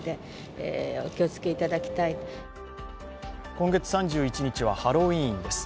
今月３１日はハロウィーンです。